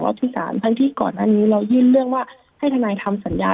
ที่สารทั้งที่ก่อนหน้านี้เรายื่นเรื่องว่าให้ทนายทำสัญญา